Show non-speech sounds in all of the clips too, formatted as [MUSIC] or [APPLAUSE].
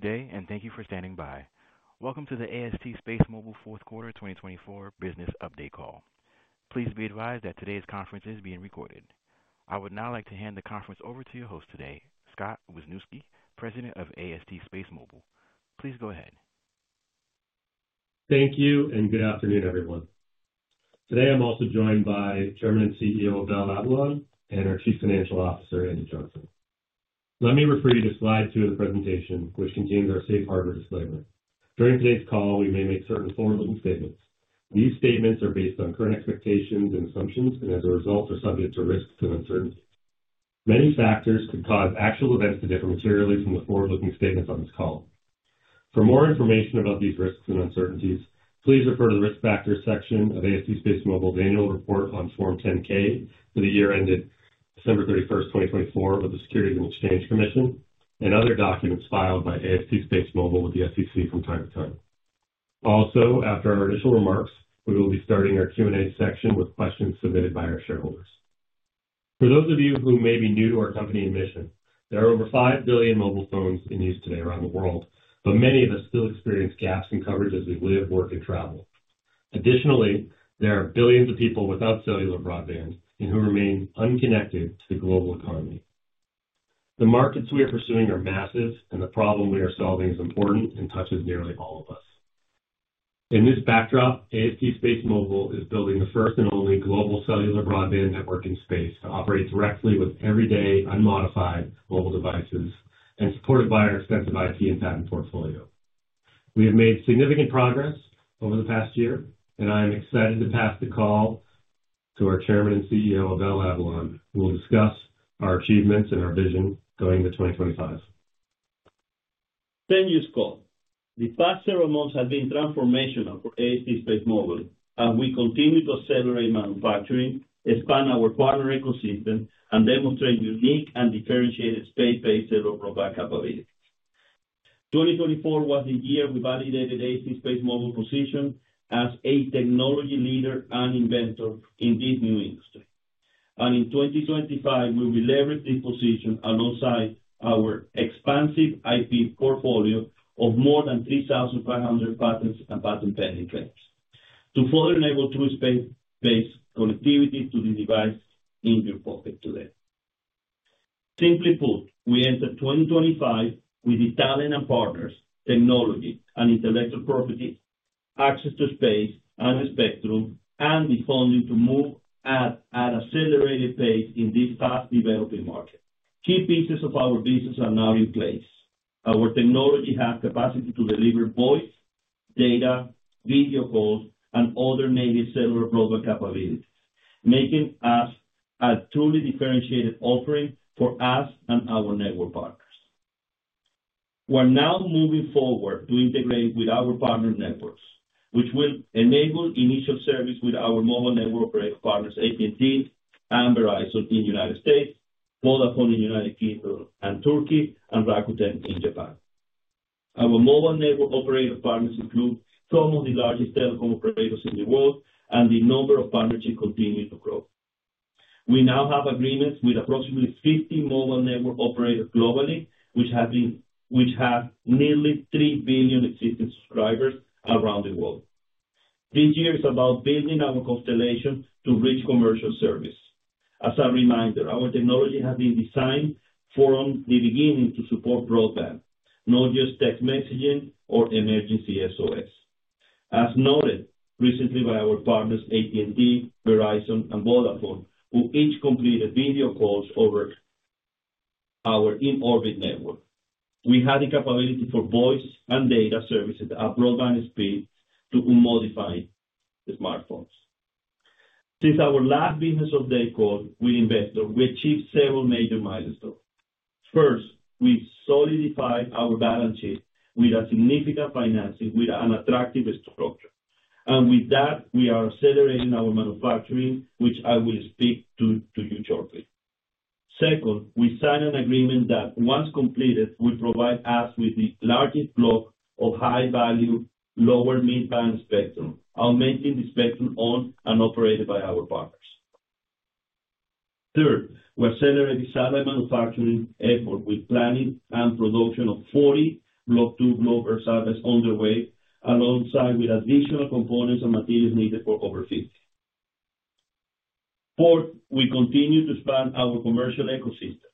Good day, and thank you for standing by. Welcome to the AST SpaceMobile fourth quarter 2024 business update call. Please be advised that today's conference is being recorded. I would now like to hand the conference over to your host today, Scott Wisniewski, President of AST SpaceMobile. Please go ahead. Thank you, and good afternoon, everyone. Today, I'm also joined by Chairman and CEO Abel Avellan and our Chief Financial Officer, Andy Johnson. Let me refer you to slide two of the presentation, which contains our safe harbor disclaimer. During today's call, we may make certain forward-looking statements. These statements are based on current expectations and assumptions, and as a result, are subject to risks and uncertainties. Many factors could cause actual events to differ materially from the forward-looking statements on this call. For more information about these risks and uncertainties, please refer to the risk factors section of AST SpaceMobile's annual report on Form 10-K for the year ended December 31st, 2024, of the Securities and Exchange Commission and other documents filed by AST SpaceMobile with the SEC from time to time. Also, after our initial remarks, we will be starting our Q&A section with questions submitted by our shareholders. For those of you who may be new to our company and mission, there are over five billion mobile phones in use today around the world, but many of us still experience gaps in coverage as we live, work, and travel. Additionally, there are billions of people without cellular broadband and who remain unconnected to the global economy. The markets we are pursuing are massive, and the problem we are solving is important and touches nearly all of us. In this backdrop, AST SpaceMobile is building the first and only global cellular broadband network in space to operate directly with everyday, unmodified mobile devices and supported by our extensive IT and patent portfolio. We have made significant progress over the past year, and I am excited to pass the call to our Chairman and CEO, Abel Avellan, who will discuss our achievements and our vision going into 2025. Thank you, Scott. The past several months have been transformational for AST SpaceMobile, as we continue to accelerate manufacturing, expand our partner ecosystem, and demonstrate unique and differentiated space-based cellular broadband capabilities. 2024 was the year we validated AST SpaceMobile's position as a technology leader and inventor in this new industry. And in 2025, we will leverage this position alongside our expansive IP portfolio of more than 3,500 patents and patent-pending claims to further enable true space-based connectivity to the device in your pocket today. Simply put, we enter 2025 with the talent and partners, technology and intellectual property, access to space and the spectrum, and the funding to move at an accelerated pace in this fast-developing market. Key pieces of our business are now in place. Our technology has the capacity to deliver voice, data, video calls, and other native cellular broadband capabilities, making us a truly differentiated offering for us and our network partners. We are now moving forward to integrate with our partner networks, which will enable initial service with our mobile network operator partners, AT&T and Verizon in the United States, Vodafone in the United Kingdom and Turkey, and Rakuten in Japan. Our mobile network operator partners include some of the largest telecom operators in the world, and the number of partnerships continues to grow. We now have agreements with approximately 50 mobile network operators globally, which have nearly 3 billion existing subscribers around the world. This year is about building our constellation to reach commercial service. As a reminder, our technology has been designed from the beginning to support broadband, not just text messaging or emergency SOS. As noted recently by our partners, AT&T, Verizon, and Vodafone, who each completed video calls over our in-orbit network. We had the capability for voice and data services at broadband speed to unmodified smartphones. Since our last business update call with investors, we achieved several major milestones. First, we solidified our balance sheet with significant financing with an attractive structure, and with that, we are accelerating our manufacturing, which I will speak to you shortly. Second, we signed an agreement that, once completed, will provide us with the largest block of high-value, lower mid-band spectrum, augmenting the spectrum owned and operated by our partners. Third, we accelerate the satellite manufacturing effort with planning and production of 40 Block 2 global satellites underway, alongside additional components and materials needed for over 50. Fourth, we continue to expand our commercial ecosystem,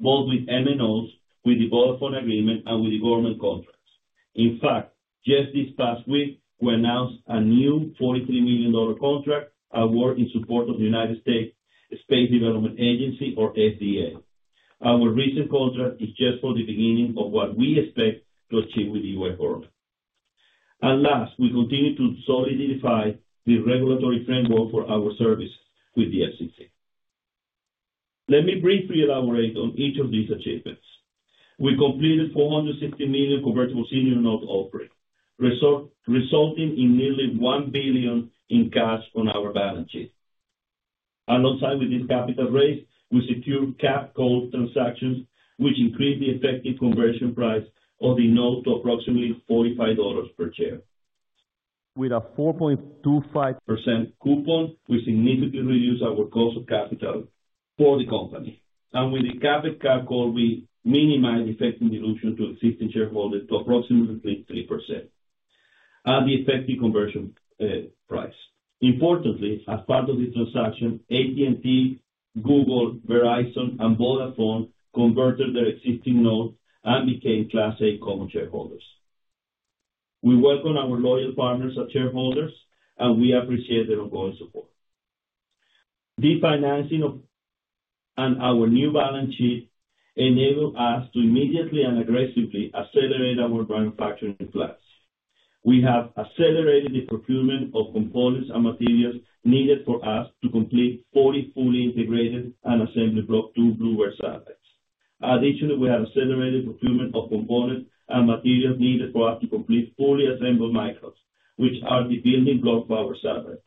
both with MNOs, with the Vodafone agreement, and with the government contracts. In fact, just this past week, we announced a new $43 million contract award in support of the U.S. Space Development Agency, or SDA. Our recent contract is just the beginning of what we expect to achieve with the U.S. Government, and last, we continue to solidify the regulatory framework for our services with the SEC. Let me briefly elaborate on each of these achievements. We completed $460 million convertible senior note offering, resulting in nearly $1 billion in cash on our balance sheet. Alongside this capital raise, we secured capped call transactions, which increased the effective conversion price of the note to approximately $45 per share. With a 4.25% coupon, we significantly reduced our cost of capital for the company. With the capped call, we minimized effective dilution to existing shareholders to approximately 3% at the effective conversion price. Importantly, as part of the transaction, AT&T, Google, Verizon, and Vodafone converted their existing notes and became Class A common shareholders. We welcome our loyal partners as shareholders, and we appreciate their ongoing support. The financing and our new balance sheet enabled us to immediately and aggressively accelerate our manufacturing plans. We have accelerated the procurement of components and materials needed for us to complete 40 fully integrated and assembled Block 2 BlueBird satellites. Additionally, we have accelerated the procurement of components and materials needed for us to complete fully assembled Microns, which are the building block for our satellite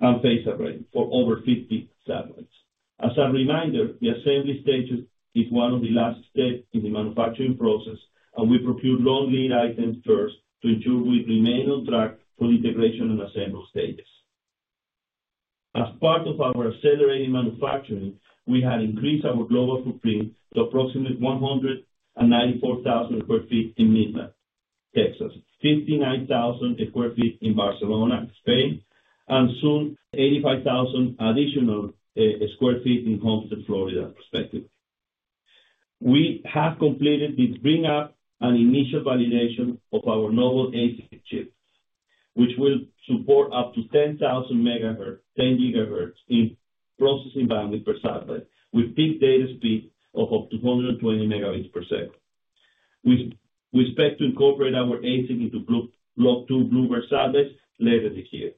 and phased array for over 50 satellites. As a reminder, the assembly stages are one of the last steps in the manufacturing process, and we procure long lead items first to ensure we remain on track for the integration and assembly stages. As part of our accelerated manufacturing, we have increased our global footprint to approximately 194,000 sq ft in Midland, Texas, 59,000 sq ft in Barcelona, Spain, and soon 85,000 additional sq ft in Homestead, Florida, respectively. We have completed the bring-up and initial validation of our novel ASIC chip, which will support up to 10,000 MHz, 10 GHz in processing bandwidth per satellite, with peak data speed of up to 120 Mbps. We expect to incorporate our ASIC into Block 2 BlueBird satellites later this year.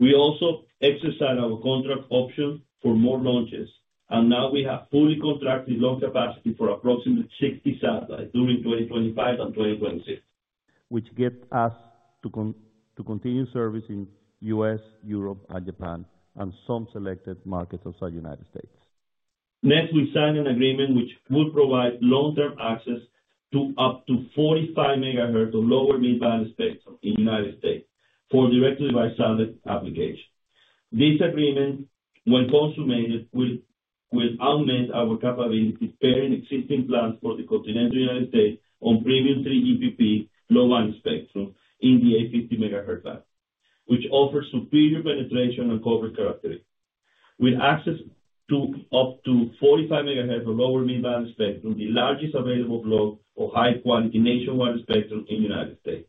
We also exercised our contract option for more launches, and now we have fully contracted load capacity for approximately 60 satellites during 2025 and 2026, which gets us to continue servicing the U.S., Europe, and Japan, and some selected markets outside the United States. Next, we signed an agreement which will provide long-term access to up to 45 MHz of lower-mid band spectrum in the United States for direct-to-device satellite application. This agreement, when consummated, will augment our capability pairing existing plans for the continental United States on premium 3GPP low-band spectrum in the 850 MHz band, which offers superior penetration and coverage characteristics. With access to up to 45 MHz of lower-mid band spectrum, the largest available block of high-quality nationwide spectrum in the United States.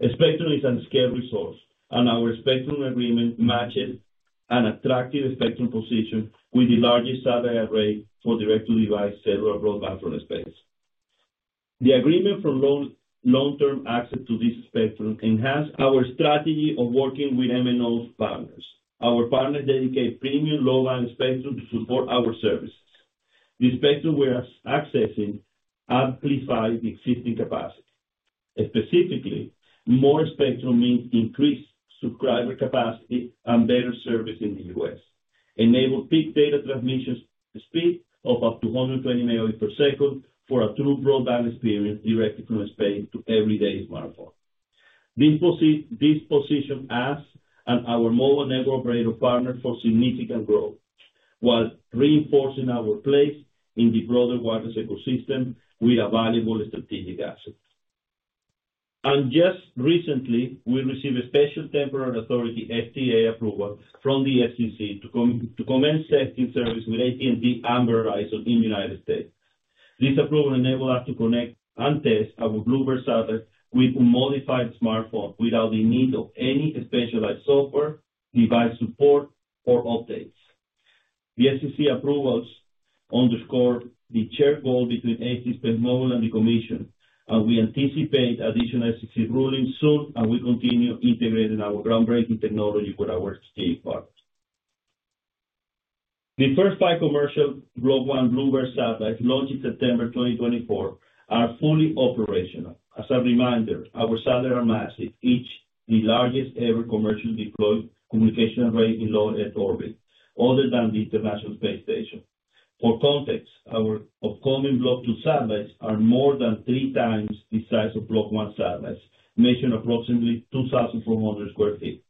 Spectrum is a scaled resource, and our spectrum agreement matches an attractive spectrum position with the largest satellite array for direct-to-device cellular broadband from space. The agreement for long-term access to this spectrum enhances our strategy of working with MNO partners. Our partners dedicate premium low-band spectrum to support our services. The spectrum we are accessing amplifies the existing capacity. Specifically, more spectrum means increased subscriber capacity and better service in the U.S., enabling peak data transmission speed of up to 120 Mbps for a true broadband experience directly from space to everyday smartphones. This positions us and our mobile network operator partners for significant growth, while reinforcing our place in the broader wireless ecosystem with a valuable strategic asset, and just recently, we received a Special Temporary Authority STA approval from the FCC to commence testing service with AT&T and Verizon in the United States. This approval enables us to connect and test our BlueBird satellites with unmodified smartphones without the need of any specialized software, device support, or updates. The FCC approvals underscore the shared goal between AST SpaceMobile and the Commission, and we anticipate additional FCC rulings soon, and we continue integrating our groundbreaking technology with our STA partners. The first five commercial Block 1 BlueBird satellites launched in September 2024 are fully operational. As a reminder, our satellites are massive, each the largest ever commercially deployed communication array in orbit, other than the International Space Station. For context, our upcoming Block 2 satellites are more than three times the size of Block 1 satellites, measuring approximately 2,400 sq ft.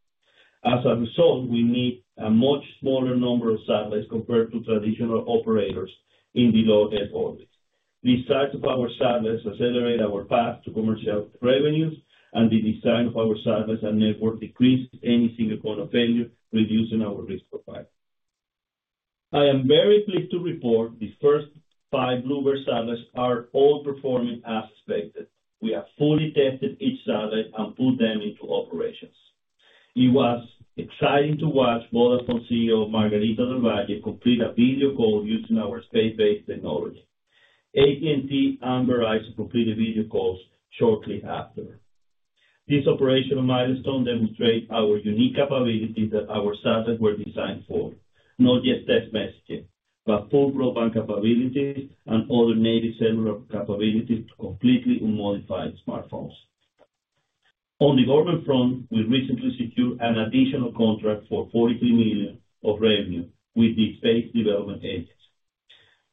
As a result, we need a much smaller number of satellites compared to traditional operators in the low Earth orbit. The size of our satellites accelerates our path to commercial revenues, and the design of our satellites and network decreases any single point of failure, reducing our risk profile. I am very pleased to report the first five BlueBird satellites are all performing as expected. We have fully tested each satellite and put them into operations. It was exciting to watch Vodafone CEO Margherita Della Valle complete a video call using our space-based technology. AT&T and Verizon completed video calls shortly after. This operational milestone demonstrates our unique capabilities that our satellites were designed for, not just text messaging, but full broadband capabilities and other native cellular capabilities to completely unmodified smartphones. On the government front, we recently secured an additional contract for $43 million of revenue with the U.S. Space Development Agency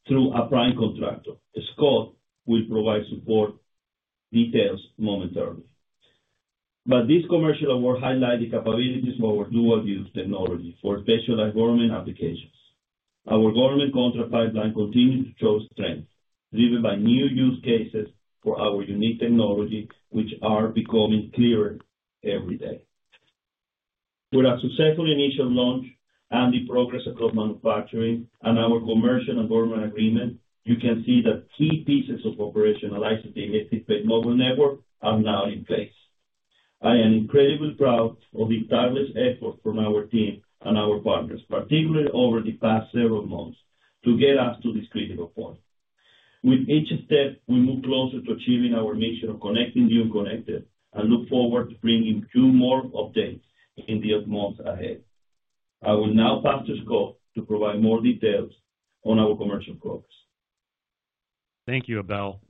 through a prime contractor. Scott will provide support details momentarily. But this commercial award highlights the capabilities of our dual-use technology for specialized government applications. Our government contract pipeline continues to show strength, driven by new use cases for our unique technology, which are becoming clearer every day. With our successful initial launch and the progress across manufacturing and our commercial and government agreement, you can see that key pieces of operationalizing the AST SpaceMobile network are now in place. I am incredibly proud of the tireless effort from our team and our partners, particularly over the past several months, to get us to this critical point. With each step, we move closer to achieving our mission of connecting the unconnected and look forward to bringing you more updates in the months ahead. I will now pass to Scott to provide more details on our commercial progress. Thank you, Abel.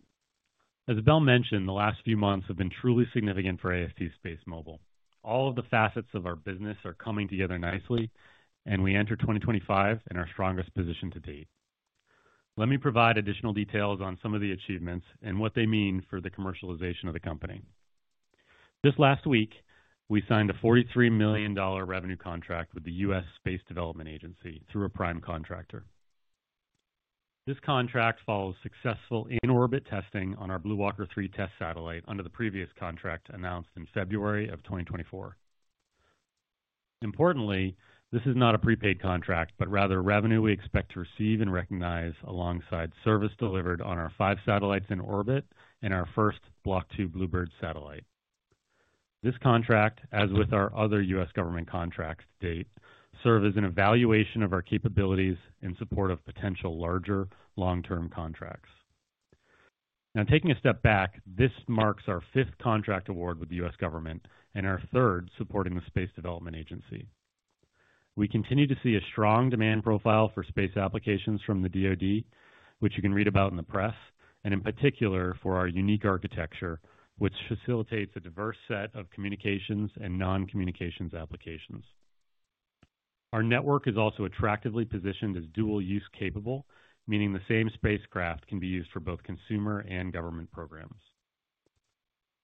As Abel mentioned, the last few months have been truly significant for AST SpaceMobile. All of the facets of our business are coming together nicely, and we enter 2025 in our strongest position to date. Let me provide additional details on some of the achievements and what they mean for the commercialization of the company. Just last week, we signed a $43 million revenue contract with the U.S. Space Development Agency through a prime contractor. This contract follows successful in-orbit testing on our BlueWalker 3 test satellite under the previous contract announced in February of 2024. Importantly, this is not a prepaid contract, but rather revenue we expect to receive and recognize alongside service delivered on our five satellites in orbit and our first Block 2 BlueBird satellite. This contract, as with our other U.S. government contracts to date, serves as an evaluation of our capabilities in support of potential larger, long-term contracts. Now, taking a step back, this marks our fifth contract award with the U.S. Government and our third supporting the U.S. Space Development Agency. We continue to see a strong demand profile for space applications from the DOD, which you can read about in the press, and in particular for our unique architecture, which facilitates a diverse set of communications and non-communications applications. Our network is also attractively positioned as dual-use capable, meaning the same spacecraft can be used for both consumer and government programs.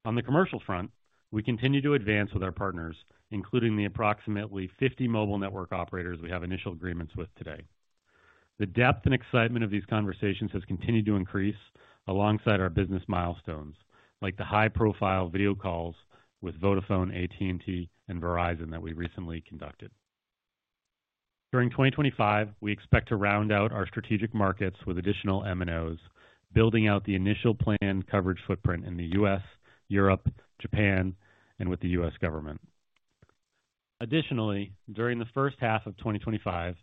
On the commercial front, we continue to advance with our partners, including the approximately 50 mobile network operators we have initial agreements with today. The depth and excitement of these conversations has continued to increase alongside our business milestones, like the high-profile video calls with Vodafone, AT&T, and Verizon that we recently conducted. During 2025, we expect to round out our strategic markets with additional MNOs, building out the initial planned coverage footprint in the U.S., Europe, Japan, and with the U.S. government. Additionally, during the first half of 2025,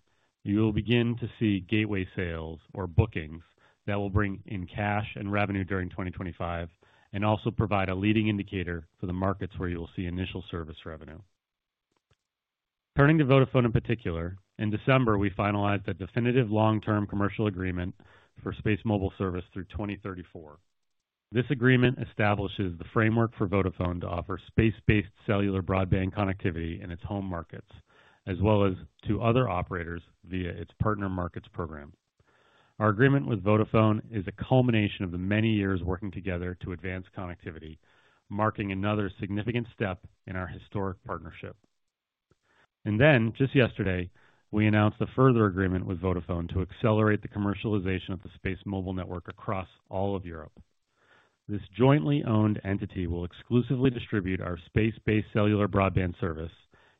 you will begin to see gateway sales or bookings that will bring in cash and revenue during 2025 and also provide a leading indicator for the markets where you will see initial service revenue. Turning to Vodafone in particular, in December, we finalized a definitive long-term commercial agreement for SpaceMobile service through 2034. This agreement establishes the framework for Vodafone to offer space-based cellular broadband connectivity in its home markets, as well as to other operators via its Partner Markets program. Our agreement with Vodafone is a culmination of the many years working together to advance connectivity, marking another significant step in our historic partnership. And then, just yesterday, we announced a further agreement with Vodafone to accelerate the commercialization of the SpaceMobile network across all of Europe. This jointly owned entity will exclusively distribute our space-based cellular broadband service,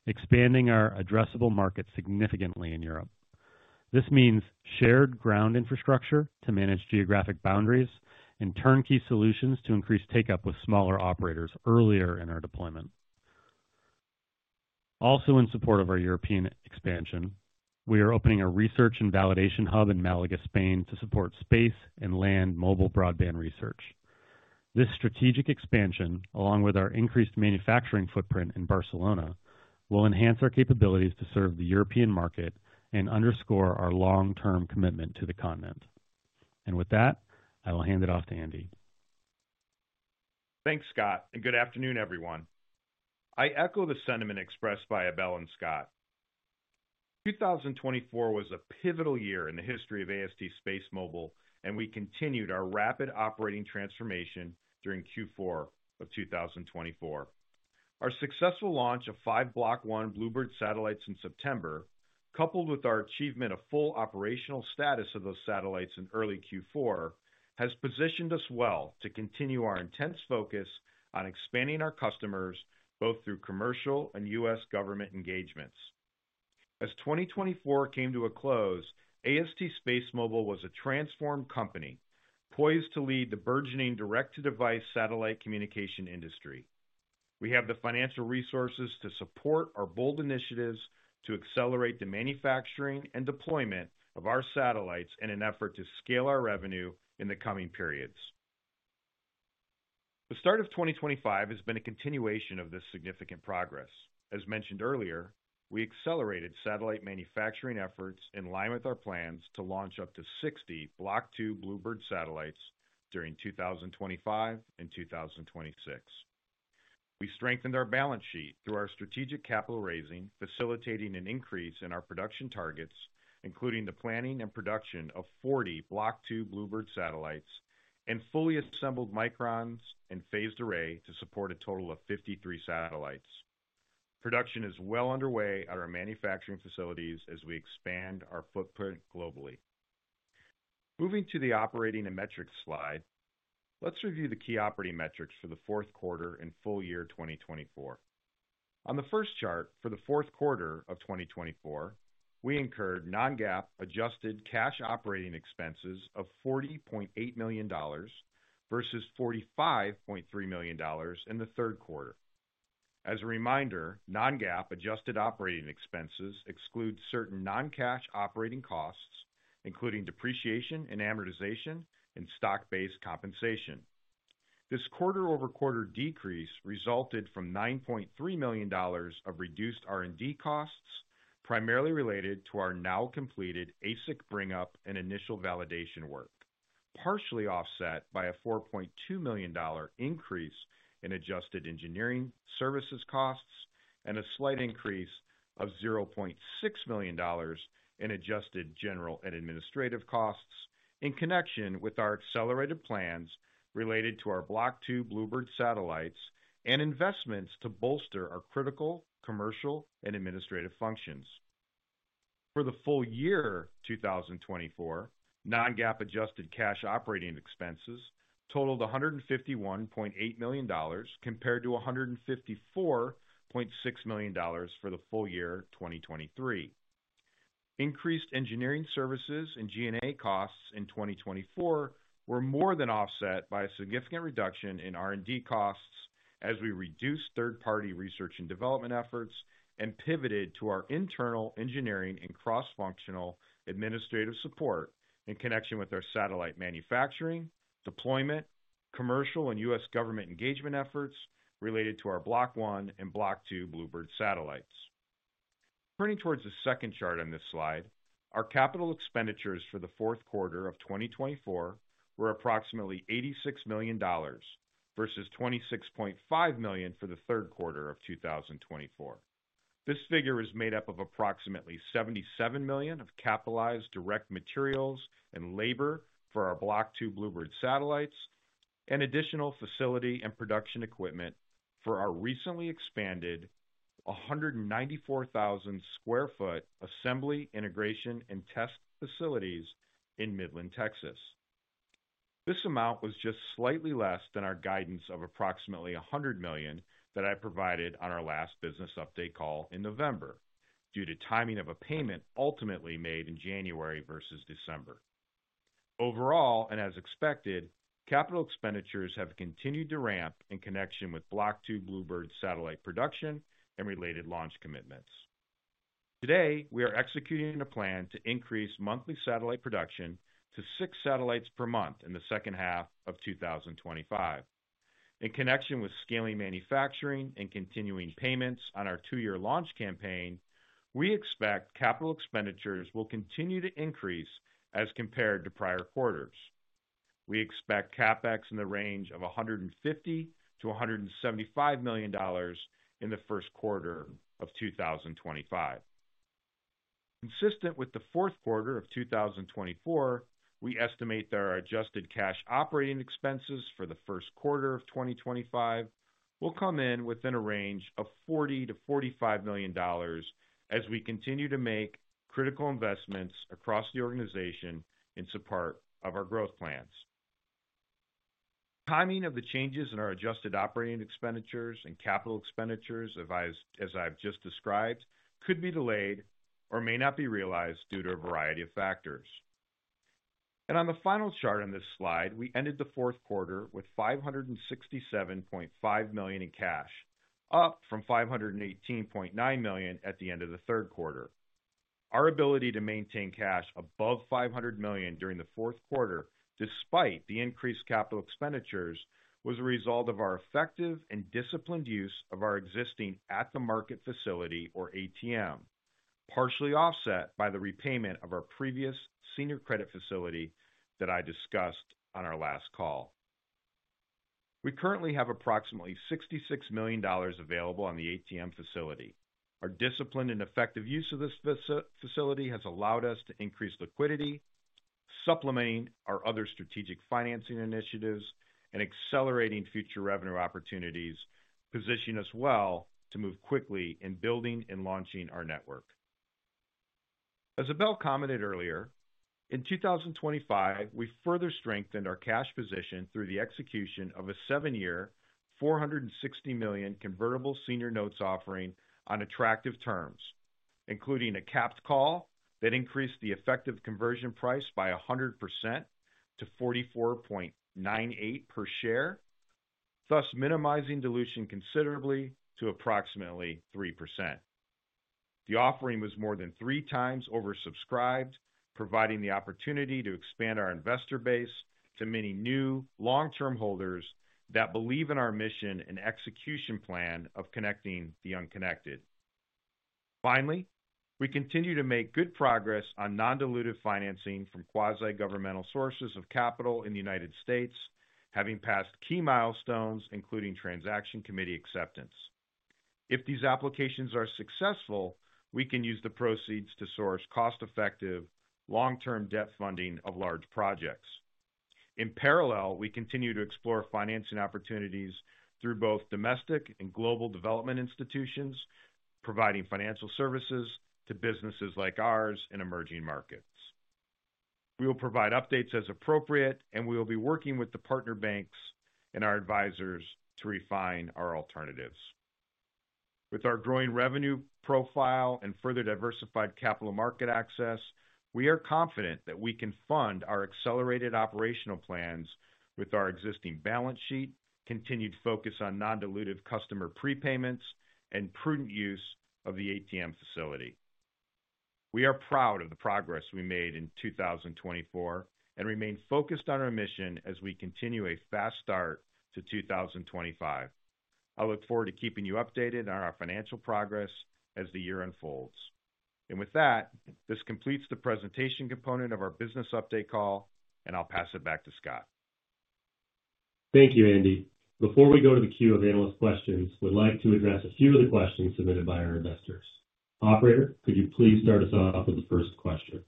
expanding our addressable market significantly in Europe. This means shared ground infrastructure to manage geographic boundaries and turnkey solutions to increase take-up with smaller operators earlier in our deployment. Also, in support of our European expansion, we are opening a research and validation hub in Málaga, Spain, to support space and land mobile broadband research. This strategic expansion, along with our increased manufacturing footprint in Barcelona, will enhance our capabilities to serve the European market and underscore our long-term commitment to the continent. And with that, I will hand it off to Andy. Thanks, Scott, and good afternoon, everyone. I echo the sentiment expressed by Abel and Scott. 2024 was a pivotal year in the history of AST SpaceMobile, and we continued our rapid operating transformation during Q4 of 2024. Our successful launch of five Block 1 BlueBird satellites in September, coupled with our achievement of full operational status of those satellites in early Q4, has positioned us well to continue our intense focus on expanding our customers both through commercial and U.S. government engagements. As 2024 came to a close, AST SpaceMobile was a transformed company, poised to lead the burgeoning direct-to-device satellite communication industry. We have the financial resources to support our bold initiatives to accelerate the manufacturing and deployment of our satellites in an effort to scale our revenue in the coming periods. The start of 2025 has been a continuation of this significant progress. As mentioned earlier, we accelerated satellite manufacturing efforts in line with our plans to launch up to 60 Block 2 BlueBird satellites during 2025 and 2026. We strengthened our balance sheet through our strategic capital raising, facilitating an increase in our production targets, including the planning and production of 40 Block 2 BlueBird satellites and fully assembled Microns and phased array to support a total of 53 satellites. Production is well underway at our manufacturing facilities as we expand our footprint globally. Moving to the operating and metrics slide, let's review the key operating metrics for the fourth quarter and full year 2024. On the first chart for the fourth quarter of 2024, we incurred non-GAAP adjusted cash operating expenses of $40.8 million versus $45.3 million in the third quarter. As a reminder, non-GAAP adjusted operating expenses exclude certain non-cash operating costs, including depreciation and amortization and stock-based compensation. This quarter-over-quarter decrease resulted from $9.3 million of reduced R&D costs, primarily related to our now completed ASIC bring-up and initial validation work, partially offset by a $4.2 million increase in adjusted engineering services costs and a slight increase of $0.6 million in adjusted general and administrative costs in connection with our accelerated plans related to our Block 2 BlueBird satellites and investments to bolster our critical commercial and administrative functions. For the full year 2024, non-GAAP adjusted cash operating expenses totaled $151.8 million compared to $154.6 million for the full year 2023. Increased engineering services and G&A costs in 2024 were more than offset by a significant reduction in R&D costs as we reduced third-party research and development efforts and pivoted to our internal engineering and cross-functional administrative support in connection with our satellite manufacturing, deployment, commercial, and U.S. Government engagement efforts related to our Block 1 and Block 2 BlueBird satellites. Turning towards the second chart on this slide, our capital expenditures for the fourth quarter of 2024 were approximately $86 million versus $26.5 million for the third quarter of 2024. This figure is made up of approximately $77 million of capitalized direct materials and labor for our Block 2 BlueBird satellites and additional facility and production equipment for our recently expanded 194,000 sq ft assembly, integration, and test facilities in Midland, Texas. This amount was just slightly less than our guidance of approximately $100 million that I provided on our last business update call in November due to timing of a payment ultimately made in January versus December. Overall, and as expected, capital expenditures have continued to ramp in connection with Block 2 BlueBird satellite production and related launch commitments. Today, we are executing a plan to increase monthly satellite production to six satellites per month in the second half of 2025. In connection with scaling manufacturing and continuing payments on our two-year launch campaign, we expect capital expenditures will continue to increase as compared to prior quarters. We expect CapEx in the range of $150-$175 million in the first quarter of 2025. Consistent with the fourth quarter of 2024, we estimate that our adjusted cash operating expenses for the first quarter of 2025 will come in within a range of $40 million-$45 million as we continue to make critical investments across the organization in support of our growth plans. Timing of the changes in our adjusted operating expenditures and capital expenditures, as I've just described, could be delayed or may not be realized due to a variety of factors, and on the final chart on this slide, we ended the fourth quarter with $567.5 million in cash, up from $518.9 million at the end of the third quarter. Our ability to maintain cash above $500 million during the fourth quarter, despite the increased capital expenditures, was a result of our effective and disciplined use of our existing at-the-market facility, or ATM, partially offset by the repayment of our previous senior credit facility that I discussed on our last call. We currently have approximately $66 million available on the ATM facility. Our discipline and effective use of this facility has allowed us to increase liquidity, supplementing our other strategic financing initiatives and accelerating future revenue opportunities, positioning us well to move quickly in building and launching our network. As Abel commented earlier, in 2025, we further strengthened our cash position through the execution of a seven-year $460 million convertible senior notes offering on attractive terms, including a capped call that increased the effective conversion price by 100% to $44.98 per share, thus minimizing dilution considerably to approximately 3%. The offering was more than three times oversubscribed, providing the opportunity to expand our investor base to many new long-term holders that believe in our mission and execution plan of connecting the unconnected. Finally, we continue to make good progress on non-dilutive financing from quasi-governmental sources of capital in the United States, having passed key milestones, including transaction committee acceptance. If these applications are successful, we can use the proceeds to source cost-effective long-term debt funding of large projects. In parallel, we continue to explore financing opportunities through both domestic and global development institutions, providing financial services to businesses like ours in emerging markets. We will provide updates as appropriate, and we will be working with the partner banks and our advisors to refine our alternatives. With our growing revenue profile and further diversified capital market access, we are confident that we can fund our accelerated operational plans with our existing balance sheet, continued focus on non-dilutive customer prepayments, and prudent use of the ATM facility. We are proud of the progress we made in 2024 and remain focused on our mission as we continue a fast start to 2025. I look forward to keeping you updated on our financial progress as the year unfolds, and with that, this completes the presentation component of our business update call, and I'll pass it back to Scott. Thank you, Andy. Before we go to the queue of analyst questions, we'd like to address a few of the questions submitted by our investors. Operator, could you please start us off with the first question?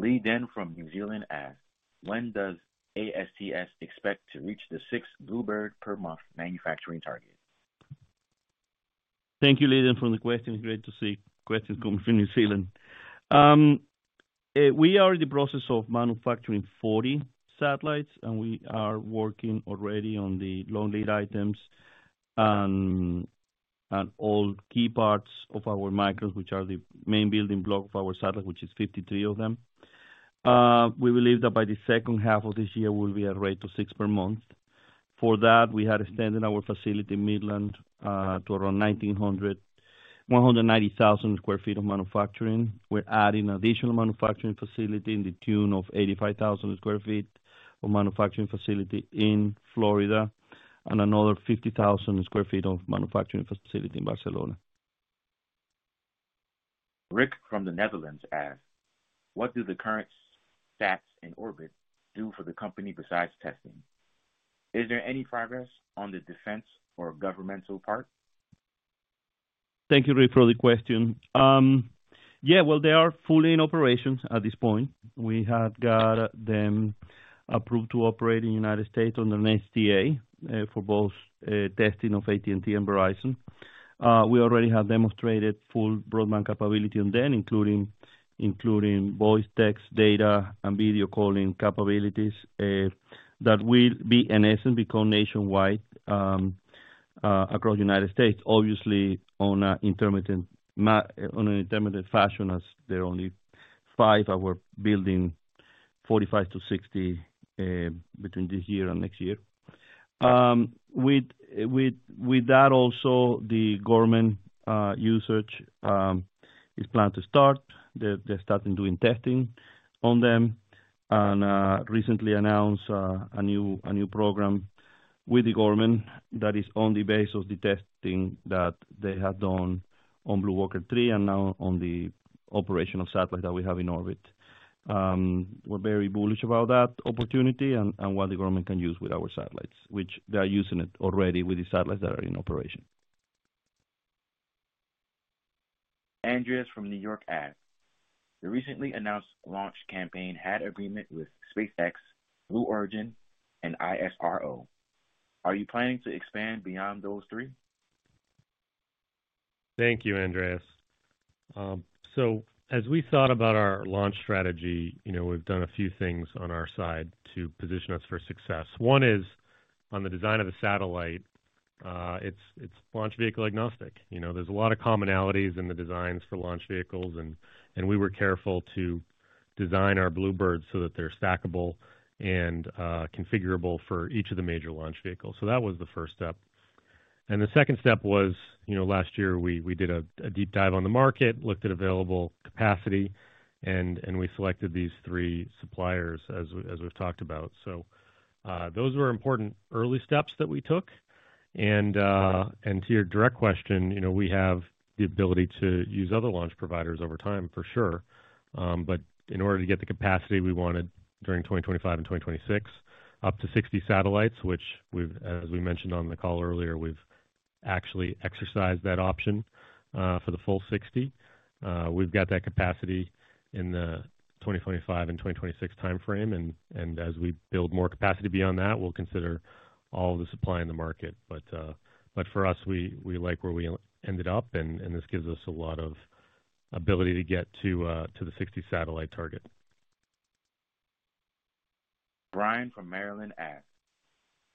Lee Den from New Zealand asked, "When does ASTS expect to reach the six BlueBird per month manufacturing target?" Thank you, Lee, and for the question. It's great to see questions coming from New Zealand. We are in the process of manufacturing 40 satellites, and we are working already on the long lead items and all key parts of our ASICs, which are the main building block of our satellite, which is 53 of them. We believe that by the second half of this year, we will be at rate of six per month. For that, we had extended our facility in Midland to around 1,990,000 sq ft of manufacturing. We're adding an additional manufacturing facility in the tune of 85,000 sq ft of manufacturing facility in Florida and another 50,000 sq ft of manufacturing facility in Barcelona. Rick from the Netherlands asked, "What do the current sats in orbit do for the company besides testing? Is there any progress on the defense or governmental part?" Thank you, Rick, for the question. Yeah, well, they are fully in operation at this point. We have got them approved to operate in the United States under STA for both testing of AT&T and Verizon. We already have demonstrated full broadband capability on them, including voice, text, data, and video calling capabilities that will, in essence, become nationwide across the United States, obviously on an intermittent fashion, as there are only five that we're building 45 to 60 between this year and next year. With that, also, the government usage is planned to start. They're starting doing testing on them and recently announced a new program with the government that is on the basis of the testing that they have done on BlueWalker 3 and now on the operational satellite that we have in orbit. We're very bullish about that opportunity and what the government can use with our satellites, which they're using already with the satellites that are in operation. Andreas from New York asked, "The recently announced launch campaign had agreement with SpaceX, Blue Origin, and ISRO. Are you planning to expand beyond those three?" Thank you, Andreas. So as we thought about our launch strategy, we've done a few things on our side to position us for success. One is on the design of the satellite. It's launch vehicle agnostic. There's a lot of commonalities in the designs for launch vehicles, and we were careful to design our BlueBirds so that they're stackable and configurable for each of the major launch vehicles. So that was the first step. And the second step was last year, we did a deep dive on the market, looked at available capacity, and we selected these three suppliers, as we've talked about. So those were important early steps that we took. And to your direct question, we have the ability to use other launch providers over time, for sure. But in order to get the capacity we wanted during 2025 and 2026, up to 60 satellites, which, as we mentioned on the call earlier, we've actually exercised that option for the full 60. We've got that capacity in the 2025 and 2026 timeframe. As we build more capacity beyond that, we'll consider all of the supply in the market. For us, we like where we ended up, and this gives us a lot of ability to get to the 60 satellite target. Brian from Maryland asked,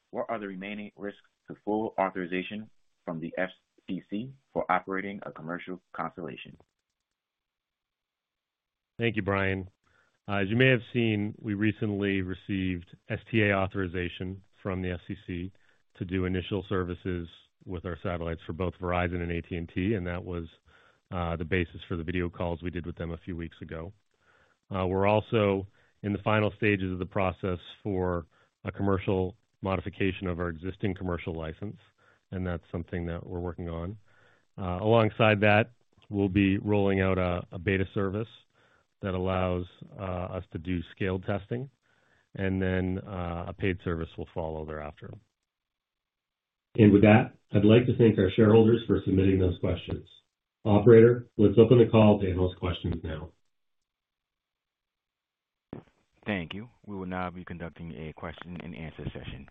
"What are the remaining risks to full authorization from the FCC for operating a commercial constellation?" Thank you, Brian. As you may have seen, we recently received STA authorization from the FCC to do initial services with our satellites for both Verizon and AT&T, and that was the basis for the video calls we did with them a few weeks ago. We're also in the final stages of the process for a commercial modification of our existing commercial license, and that's something that we're working on. Alongside that, we'll be rolling out a beta service that allows us to do scaled testing, and then a paid service will follow thereafter and with that, I'd like to thank our shareholders for submitting those questions. Operator, let's open the call to ask questions now. Thank you. We will now be conducting a question-and-answer session.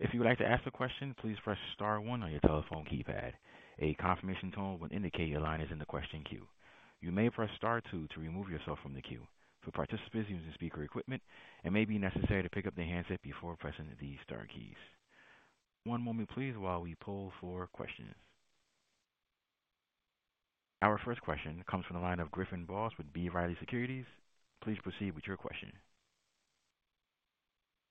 If you would like to ask a question, please press Star one on your telephone keypad. A confirmation tone will indicate your line is in the question queue. You may press Star two to remove yourself from the queue. For participants using speaker equipment, it may be necessary to pick up the handset before pressing the Star keys. One moment, please, while we poll for questions. Our first question comes from the line of Griffin Boss with B. Riley Securities. Please proceed with your question.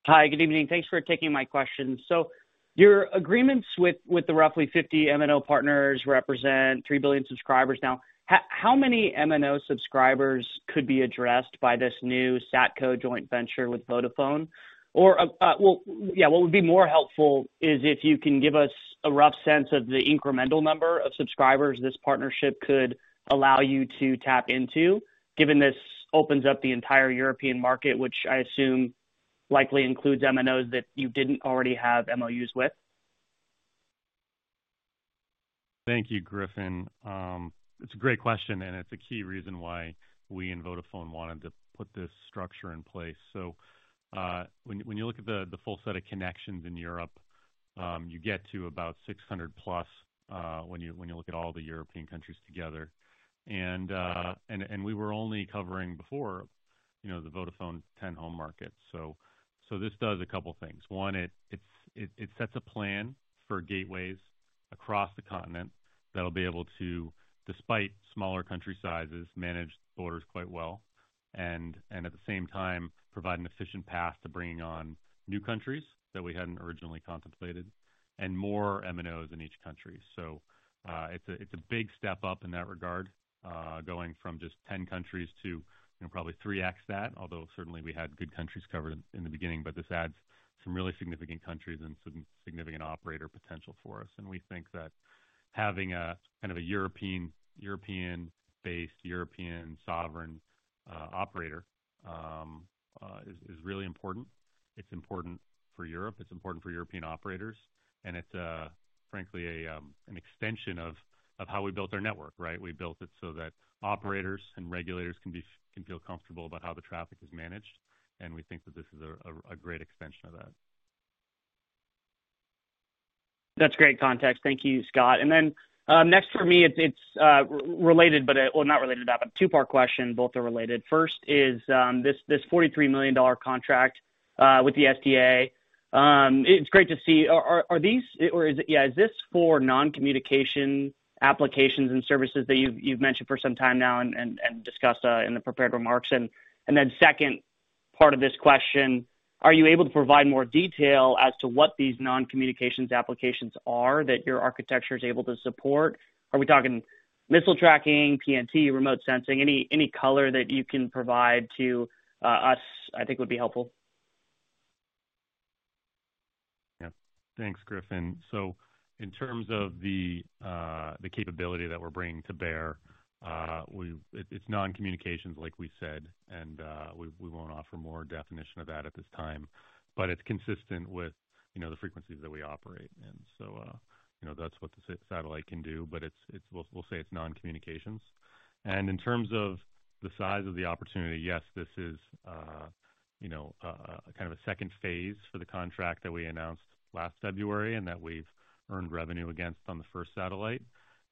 Hi, good evening. Thanks for taking my question. So your agreements with the roughly 50 MNO partners represent 3 billion subscribers. Now, how many MNO subscribers could be addressed by this new SatCo joint venture with Vodafone? Well, yeah, what would be more helpful is if you can give us a rough sense of the incremental number of subscribers this partnership could allow you to tap into, given this opens up the entire European market, which I assume likely includes MNOs that you didn't already have MOUs with. Thank you, Griffin. It's a great question, and it's a key reason why we and Vodafone wanted to put this structure in place. So, when you look at the full set of connections in Europe, you get to about 600-plus when you look at all the European countries together. And we were only covering before the Vodafone 10-home market. So, this does a couple of things. One, it sets a plan for gateways across the continent that'll be able to, despite smaller country sizes, manage borders quite well and, at the same time, provide an efficient path to bringing on new countries that we hadn't originally contemplated and more MNOs in each country. So it's a big step up in that regard, going from just 10 countries to probably 3x that, although certainly we had good countries covered in the beginning, but this adds some really significant countries and some significant operator potential for us. And we think that having a kind of a European-based, European-sovereign operator is really important. It's important for Europe. It's important for European operators. And it's, frankly, an extension of how we built our network, right? We built it so that operators and regulators can feel comfortable about how the traffic is managed. We think that this is a great extension of that. That's great context. Thank you, Scott. And then next for me, it's related, but well, not related to that, but a two-part question. Both are related. First is this $43 million contract with the SDA. It's great to see. Are these or is it, yeah, is this for non-communication applications and services that you've mentioned for some time now and discussed in the prepared remarks? And then second part of this question, are you able to provide more detail as to what these non-communications applications are that your architecture is able to support? Are we talking missile tracking, PNT, remote sensing? Any color that you can provide to us, I think, would be helpful. Yeah. Thanks, Griffin. In terms of the capability that we're bringing to bear, its non-communications, like we said, and we won't offer more definition of that at this time. But it's consistent with the frequencies that we operate, and so that's what the satellite can do, but we'll say it's non-communications. In terms of the size of the opportunity, yes, this is kind of a second phase for the contract that we announced last February and that we've earned revenue against on the first satellite.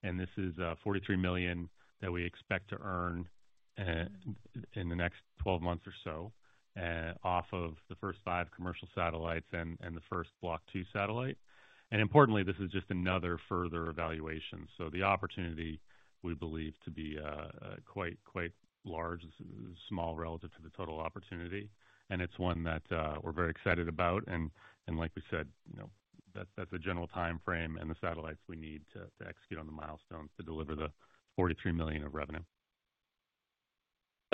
This is $43 million that we expect to earn in the next 12 months or so off of the first five commercial satellites and the first Block Two satellite. Importantly, this is just another further evaluation, so the opportunity, we believe, to be quite large, small relative to the total opportunity. It's one that we're very excited about. And like we said, that's a general timeframe and the satellites we need to execute on the milestones to deliver the $43 million of revenue.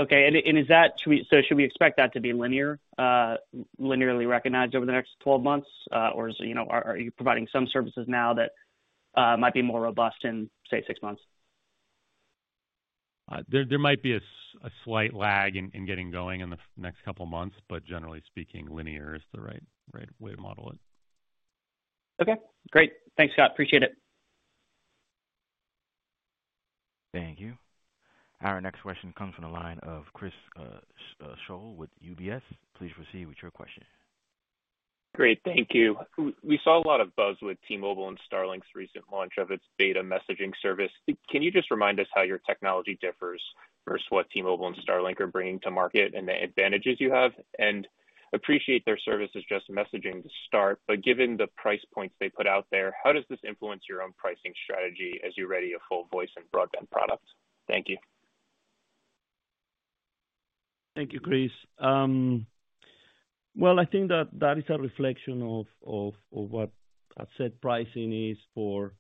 Okay. And is that to be, so should we expect that to be linearly recognized over the next 12 months, or are you providing some services now that might be more robust in, say, six months? There might be a slight lag in getting going in the next couple of months, but generally speaking, linear is the right way to model it. Okay. Great. Thanks, Scott. Appreciate it. Thank you. Our next question comes from the line of Chris Schoell with UBS. Please proceed with your question. Great. Thank you. We saw a lot of buzz with T-Mobile and Starlink's recent launch of its beta messaging service. Can you just remind us how your technology differs versus what T-Mobile and Starlink are bringing to market and the advantages you have? And appreciate their service as just messaging to start, but given the price points they put out there, how does this influence your own pricing strategy as you ready a full voice and broadband product? Thank you. Thank you, Chris. I think that is a reflection of what AST pricing is for,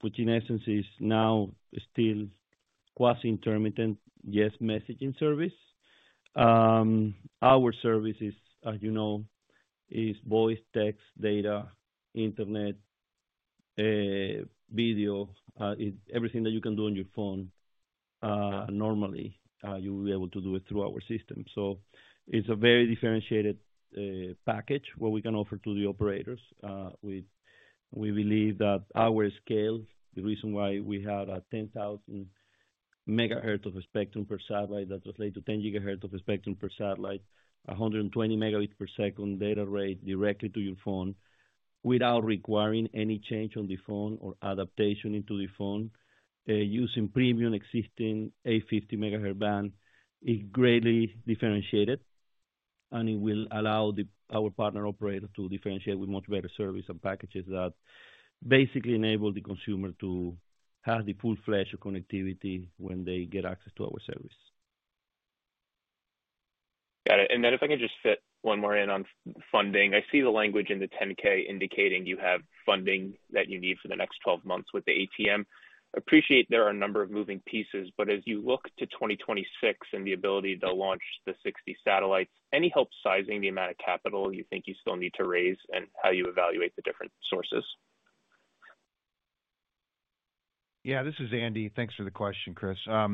which in essence is now still quasi-intermittent, yes, messaging service. Our services, as you know, is voice, text, data, internet, video, everything that you can do on your phone. Normally, you will be able to do it through our system. So it's a very differentiated package what we can offer to the operators. We believe that our scale, the reason why we have a 10,000 kHz of spectrum of a spectrum per satellite that does lead to 10 MHz of a spectrum per satellite, 120 Mbps per second data rate directly to your phone without requiring any change on the phone or adaptation into the phone using premium existing 850 MHz band, is greatly differentiated. And it will allow our partner operators to differentiate with much better service and packages that basically enable the consumer to have the full-fledged connectivity when they get access to our service. Got it. And then if I can just fit one more in on funding. I see the language in the 10-K indicating you have funding that you need for the next 12 months with the ATM. Appreciate there are a number of moving pieces, but as you look to 2026 and the ability to launch the 60 satellites, any help sizing the amount of capital you think you still need to raise and how you evaluate the different sources? Yeah, this is Andy. Thanks for the question, Chris. As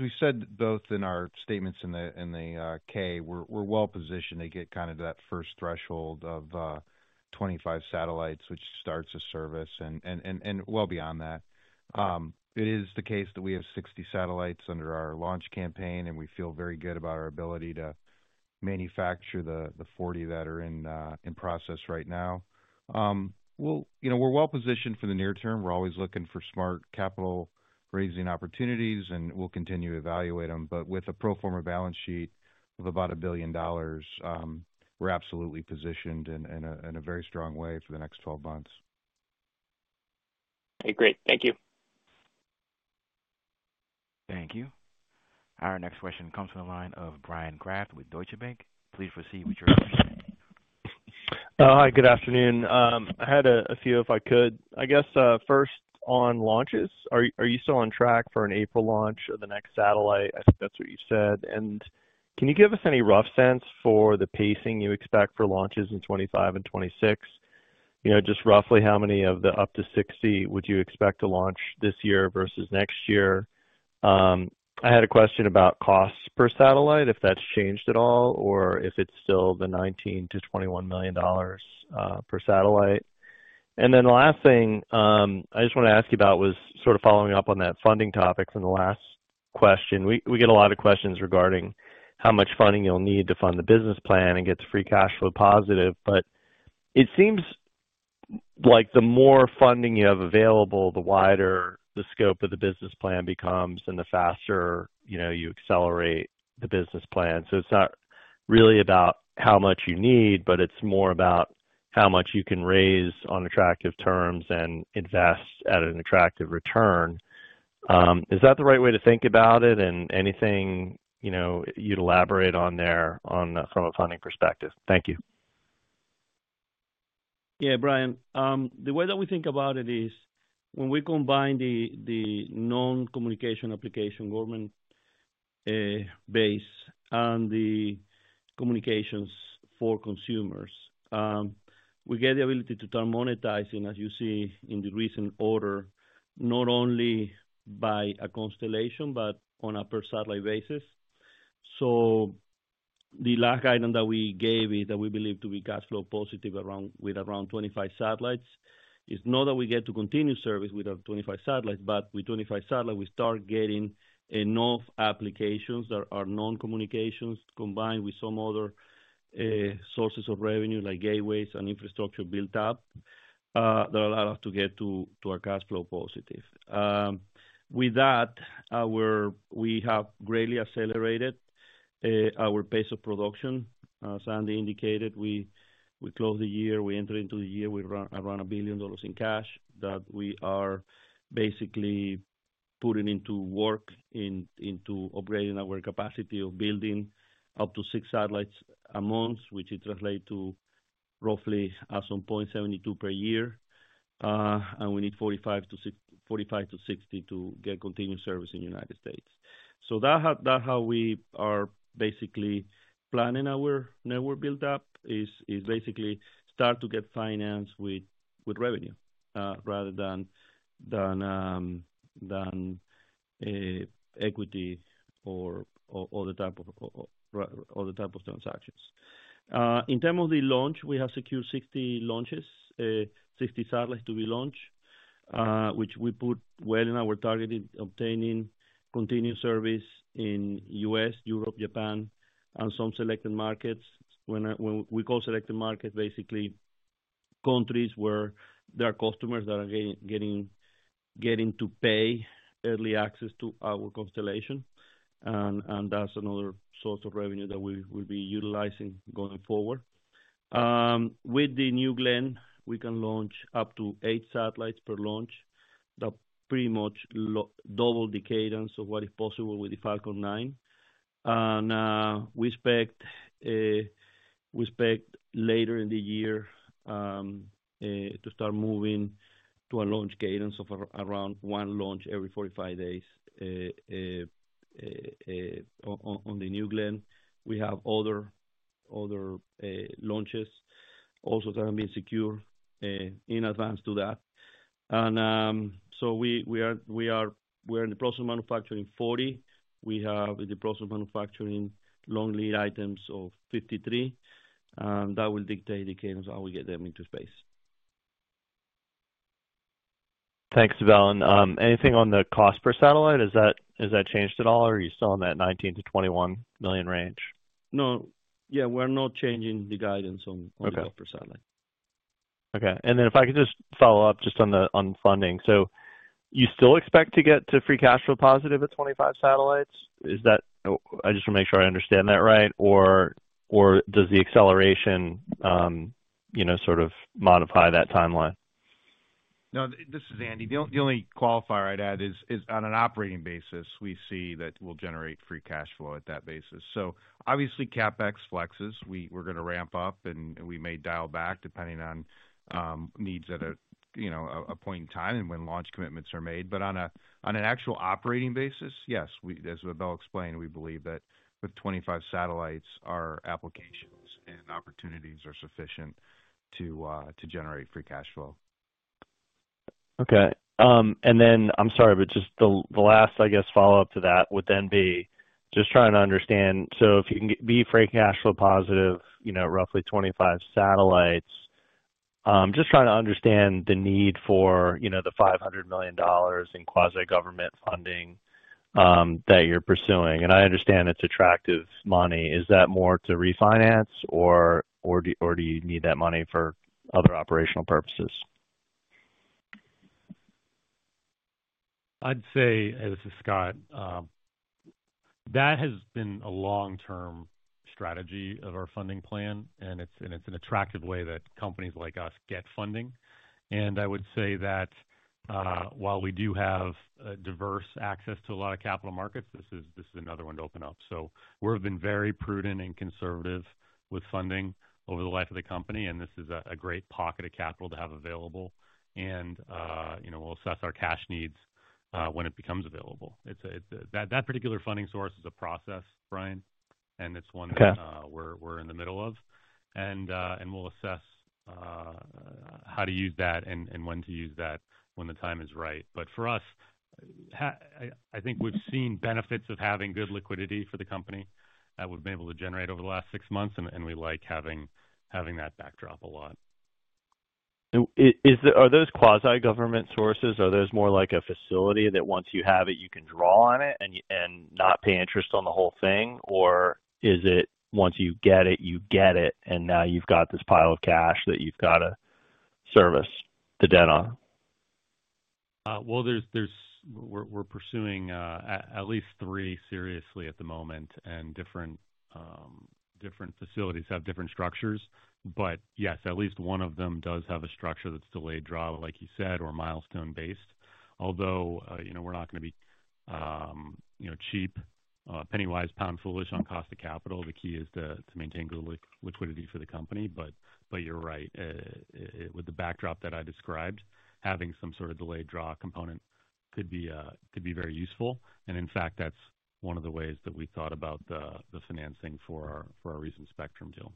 we said both in our statements in the K, we're well positioned to get kind of that first threshold of 25 satellites, which starts a service and well beyond that. It is the case that we have 60 satellites under our launch campaign, and we feel very good about our ability to manufacture the 40 that are in process right now. Well, we're well positioned for the near term. We're always looking for smart capital-raising opportunities, and we'll continue to evaluate them. But with a pro forma balance sheet of about $1 billion, we're absolutely positioned in a very strong way for the next 12 months. Okay. Great. Thank you. Thank you. Our next question comes from the line of Bryan Kraft with Deutsche Bank. Please proceed with your question. Hi, good afternoon. I had a few if I could. I guess first on launches, are you still on track for an April launch of the next satellite? I think that's what you said. And can you give us any rough sense for the pacing you expect for launches in 2025 and 2026? Just roughly how many of the up to 60 would you expect to launch this year versus next year? I had a question about costs per satellite, if that's changed at all, or if it's still the $19 million-$21 million per satellite. Then the last thing I just want to ask you about was sort of following up on that funding topic from the last question. We get a lot of questions regarding how much funding you'll need to fund the business plan and get the free cash flow positive. But it seems like the more funding you have available, the wider the scope of the business plan becomes, and the faster you accelerate the business plan. So it's not really about how much you need, but it's more about how much you can raise on attractive terms and invest at an attractive return. Is that the right way to think about it? And anything you'd elaborate on there from a funding perspective? Thank you. Yeah, Brian. The way that we think about it is when we combine the non-communication application government base and the communications for consumers, we get the ability to turn monetizing, as you see in the recent order, not only by a constellation, but on a per satellite basis. So the last guidance that we gave is that we believe to be cash flow positive with around 25 satellites. It's not that we get to continue service with our 25 satellites, but with 25 satellites, we start getting enough applications that are non-communications combined with some other sources of revenue like gateways and infrastructure built up that allow us to get to our cash flow positive. With that, we have greatly accelerated our pace of production. As Andy indicated, we close the year. We enter into the year with around $1 billion in cash that we are basically putting into work into upgrading our capacity of building up to six satellites a month, which it translates to roughly at some point 72 per year, and we need 45-60 to get continued service in the United States, so that's how we are basically planning our network build-up is basically start to get financed with revenue rather than equity or other type of transactions. In terms of the launch, we have secured 60 launches, 60 satellites to be launched, which we put well in our target in obtaining continued service in the U.S., Europe, Japan, and some selected markets. When we call selected markets, basically countries where there are customers that are getting to pay early access to our constellation. That's another source of revenue that we will be utilizing going forward. With the New Glenn, we can launch up to eight satellites per launch that pretty much double the cadence of what is possible with the Falcon 9. We expect later in the year to start moving to a launch cadence of around one launch every 45 days on the New Glenn. We have other launches also that have been secured in advance to that. So we are in the process of manufacturing 40. We have in the process of manufacturing long lead items of 53. And that will dictate the cadence how we get them into space. Thanks, Avellan. Anything on the cost per satellite? Is that changed at all, or are you still in that $19 million-$21 million range? No. Yeah, we're not changing the guidance on the cost per satellite. Okay. And then if I could just follow up just on funding. So you still expect to get to free cash flow positive at 25 satellites? I just want to make sure I understand that right. Or does the acceleration sort of modify that timeline? No, this is Andy. The only qualifier I'd add is on an operating basis, we see that we'll generate free cash flow at that basis. So obviously, CapEx flexes. We're going to ramp up, and we may dial back depending on needs at a point in time and when launch commitments are made. But on an actual operating basis, yes. As we've all explained, we believe that with 25 satellites, our applications and opportunities are sufficient to generate free cash flow. Okay. And then, I'm sorry, but just the last, I guess, follow-up to that would then be just trying to understand. If you can be free cash flow positive, roughly 25 satellites, just trying to understand the need for the $500 million in quasi-government funding that you're pursuing. And I understand it's attractive money. Is that more to refinance, or do you need that money for other operational purposes? I'd say, and this is Scott, that has been a long-term strategy of our funding plan, and it's an attractive way that companies like us get funding. And I would say that while we do have diverse access to a lot of capital markets, this is another one to open up. So we've been very prudent and conservative with funding over the life of the company, and this is a great pocket of capital to have available. And we'll assess our cash needs when it becomes available. That particular funding source is a process, Brian, and it's one that we're in the middle of. And we'll assess how to use that and when to use that when the time is right. But for us, I think we've seen benefits of having good liquidity for the company that we've been able to generate over the last six months, and we like having that backdrop a lot. Are those quasi-government sources? Are those more like a facility that once you have it, you can draw on it and not pay interest on the whole thing, or is it once you get it, you get it, and now you've got this pile of cash that you've got to service the debt on? Well, we're pursuing at least three seriously at the moment, and different facilities have different structures. But yes, at least one of them does have a structure that's delayed draw, like you said, or milestone based. Although we're not going to be cheap, pennywise, pound foolish on cost of capital. The key is to maintain good liquidity for the company. But you're right. With the backdrop that I described, having some sort of delayed draw component could be very useful. And in fact, that's one of the ways that we thought about the financing for our recent spectrum deal.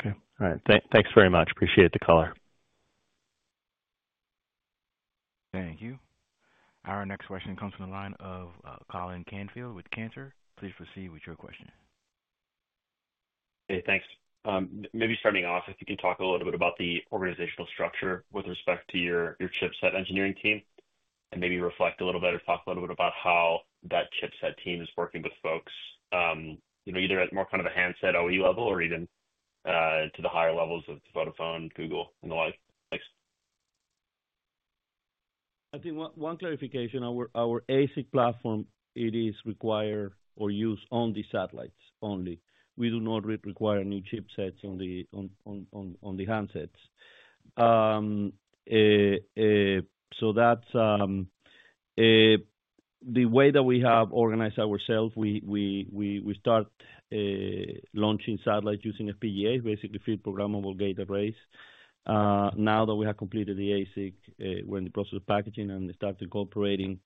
Okay. All right. Thanks very much. Appreciate the color. Thank you. Our next question comes from the line of Colin Canfield with Cantor. Please proceed with your question. Hey, thanks. Maybe starting off, if you can talk a little bit about the organizational structure with respect to your chipset engineering team and maybe reflect a little bit or talk a little bit about how that chipset team is working with folks either at more kind of a handset OEM level or even to the higher levels of Vodafone, Google, [AUDIO DISTORTION] I think one clarification. Our ASIC platform, it is required or used on the satellites only. We do not require new chipsets on the handsets. So the way that we have organized ourselves, we start launching satellites using FPGAs, basically field-programmable gate arrays. Now that we have completed the ASIC, we're in the process of packaging and start incorporating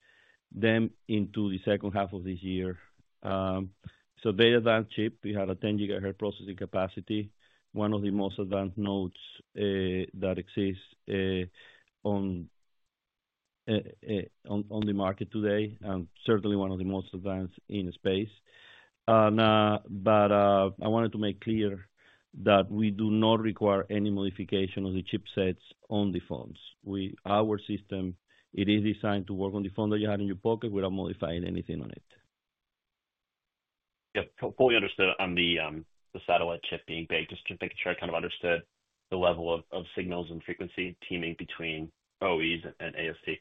them into the second half of this year. So, the advanced chip, we have a 10 GHz processing capacity, one of the most advanced nodes that exists on the market today, and certainly one of the most advanced in space. But I wanted to make clear that we do not require any modification of the chipsets on the phones. Our system, it is designed to work on the phone that you have in your pocket without modifying anything on it. Yeah. Fully understood on the satellite chip being baked. Just to make sure I kind of understood the level of signals and frequency timing between OEMs and ASIC.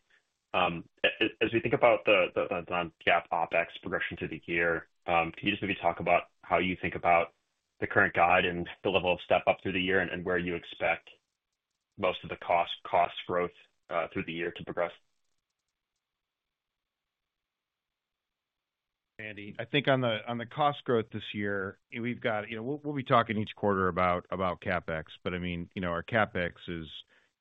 As we think about the GAAP OpEx progression through the year, can you just maybe talk about how you think about the current guide and the level of step-up through the year and where you expect most of the cost growth through the year to progress? Andy, I think on the cost growth this year, we've got, we'll be talking each quarter about CapEx. But I mean, our CapEx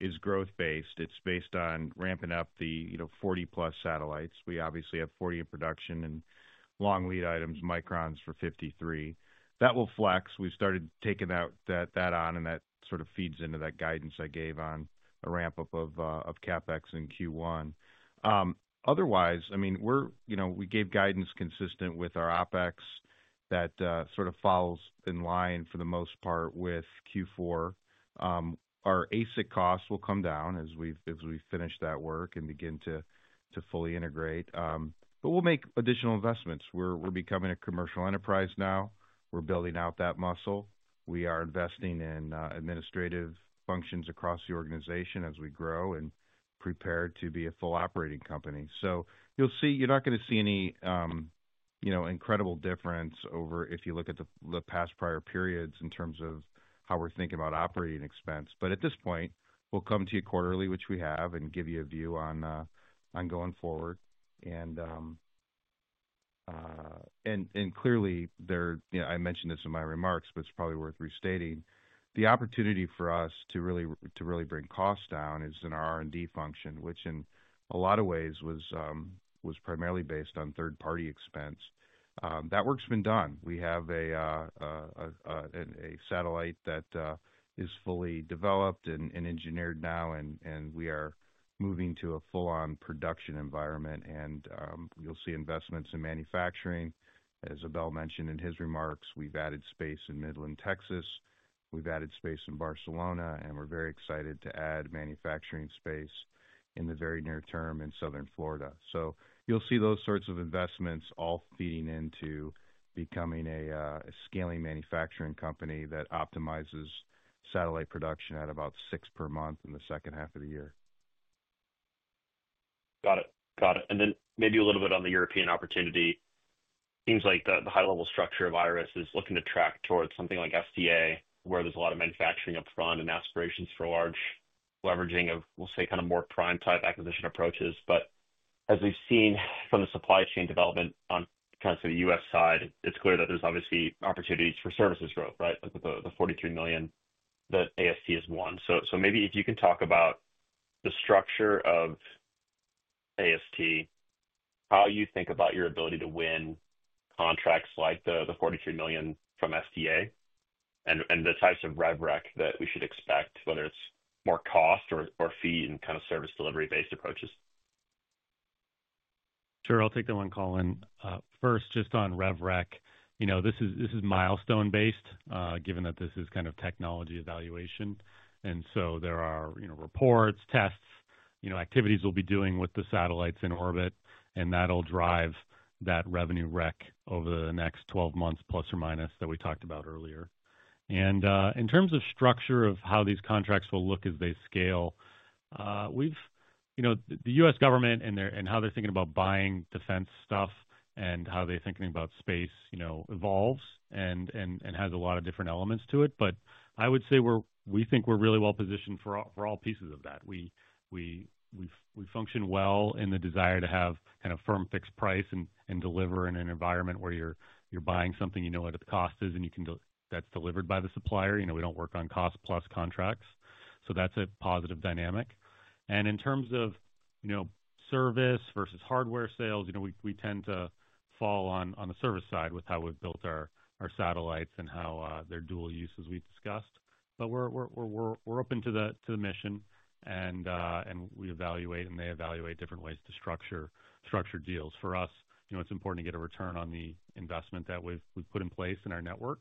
is growth-based. It's based on ramping up the 40-plus satellites. We obviously have 40 in production and long lead items, milestones for 53. That will flex. We've started taking that on, and that sort of feeds into that guidance I gave on a ramp-up of CapEx in Q1. Otherwise, I mean, we gave guidance consistent with our OpEx that sort of follows in line for the most part with Q4. Our ASIC costs will come down as we finish that work and begin to fully integrate. But we'll make additional investments. We're becoming a commercial enterprise now. We're building out that muscle. We are investing in administrative functions across the organization as we grow and prepare to be a full operating company. So, you'll see you're not going to see any incredible difference over if you look at the past prior periods in terms of how we're thinking about operating expense. But at this point, we'll come to you quarterly, which we have, and give you a view on going forward. And clearly, I mentioned this in my remarks, but it's probably worth restating. The opportunity for us to really bring cost down is in our R&D function, which in a lot of ways was primarily based on third-party expense. That work's been done. We have a satellite that is fully developed and engineered now, and we are moving to a full-on production environment. And you'll see investments in manufacturing. As Abel mentioned in his remarks, we've added space in Midland, Texas. We've added space in Barcelona, and we're very excited to add manufacturing space in the very near term in Southern Florida. So you'll see those sorts of investments all feeding into becoming a scaling manufacturing company that optimizes satellite production at about six per month in the second half of the year. Got it. Got it. And then maybe a little bit on the European opportunity. Seems like the high-level structure of IRIS² is looking to track towards something like SDA, where there's a lot of manufacturing upfront and aspirations for large leveraging of, we'll say, kind of more prime-type acquisition approaches. But as we've seen from the supply chain development on kind of the U.S. side, it's clear that there's obviously opportunities for services growth, right, with the $43 million that AST has won. So maybe if you can talk about the structure of AST, how you think about your ability to win contracts like the $43 million from SDA and the types of rev rec that we should expect, whether it's more cost or fee and kind of service delivery-based approaches. Sure. I'll take that one, Colin. First, just on rev rec, this is milestone-based, given that this is kind of technology evaluation. And so there are reports, tests, activities we'll be doing with the satellites in orbit, and that'll drive that revenue rec over the next 12 months, plus or minus, that we talked about earlier. And in terms of structure of how these contracts will look as they scale, the U.S. government and how they're thinking about buying defense stuff and how they're thinking about space evolves and has a lot of different elements to it. But I would say we think we're really well positioned for all pieces of that. We function well in the desire to have kind of firm fixed price and deliver in an environment where you're buying something, you know what the cost is, and that's delivered by the supplier. We don't work on cost-plus contracts. So that's a positive dynamic. And in terms of service versus hardware sales, we tend to fall on the service side with how we've built our satellites and how they're dual use, as we've discussed. But we're open to the mission, and they evaluate different ways to structure deals. For us, it's important to get a return on the investment that we've put in place in our network,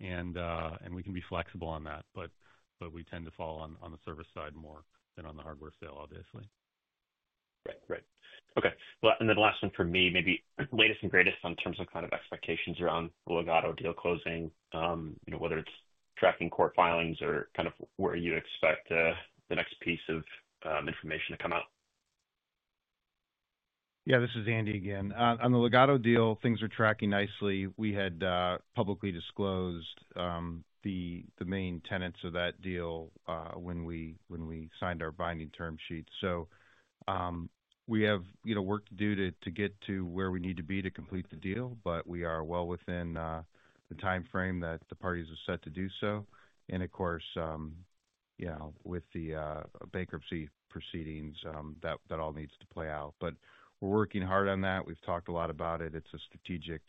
and we can be flexible on that. But we tend to fall on the service side more than on the hardware sale, obviously. Right. Right. Okay. Well, and then last one for me, maybe latest and greatest in terms of kind of expectations around the Ligado deal closing, whether it's tracking court filings or kind of where you expect the next piece of information to come out. Yeah, this is Andy again. On the Ligado deal, things are tracking nicely. We had publicly disclosed the main tenets of that deal when we signed our binding term sheet. So we have work to do to get to where we need to be to complete the deal, but we are well within the timeframe that the parties are set to do so. And of course, with the bankruptcy proceedings, that all needs to play out. But we're working hard on that. We've talked a lot about it. It's a strategic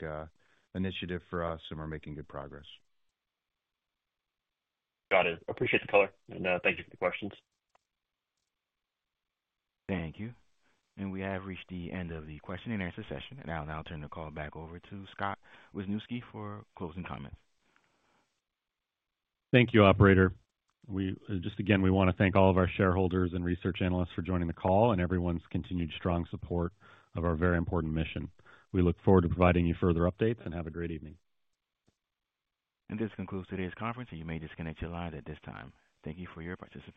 initiative for us, and we're making good progress. Got it. Appreciate the color. Thank you for the questions. Thank you. We have reached the end of the question-and-answer session. I'll now turn the call back over to Scott Wisniewski for closing comments. Thank you, Operator. Just again, we want to thank all of our shareholders and research analysts for joining the call and everyone's continued strong support of our very important mission. We look forward to providing you further updates and have a great evening. This concludes today's conference, and you may disconnect your line at this time. Thank you for your participation.